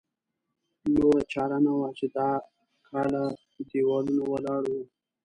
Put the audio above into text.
نوره چاره نه وه چې د کاله دېوالونه ولاړ وو.